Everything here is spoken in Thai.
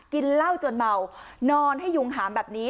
กินเหล้าจนเมานอนให้ยุงหามแบบนี้